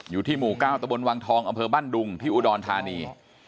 อยู่ที่หมู่๙ตะบนวังทองอำเภอบ้านดุงที่อุดรธานี